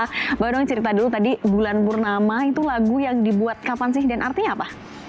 mbak dong cerita dulu tadi bulan purnama itu lagu yang dibuat kapan sih dan artinya apa